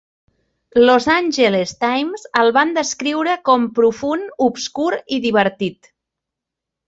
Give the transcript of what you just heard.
"Los Angeles Times" el van descriure com "profund, obscur i divertit".